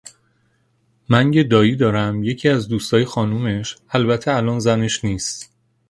من یه دائی دارم یکی از دوستای خانومش، البته الان زنش نیس